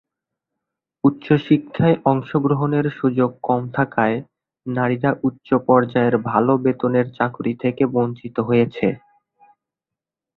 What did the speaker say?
উচ্চশিক্ষায় অংশগ্রহণের সুযোগ কম থাকায় নারীরা উচ্চ পর্যায়ের ভাল বেতনের চাকুরী থেকে বঞ্চিত হয়েছে।